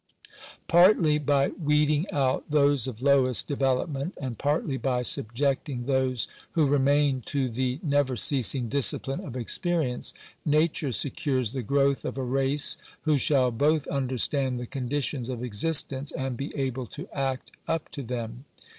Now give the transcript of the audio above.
Partly by weeding out those of lowest development, and partly by subjecting those who remain to the never ceasing discipline of experience, nature secures the growth of a race who shall both understand the conditions of existence, and be able to act up to them.